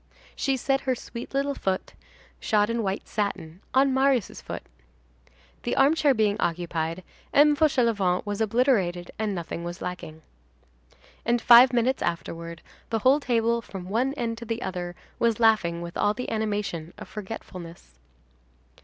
She set her sweet little foot, shod in white satin, on Marius' foot. The armchair being occupied, M. Fauchelevent was obliterated; and nothing was lacking. And, five minutes afterward, the whole table from one end to the other, was laughing with all the animation of forgetfulness.